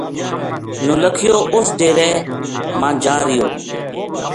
نولکھیو اس ڈیرے ما جا رہیو